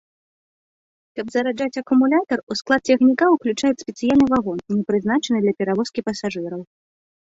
Каб зараджаць акумулятар, у склад цягніка ўключаюць спецыяльны вагон, не прызначаны для перавозкі пасажыраў.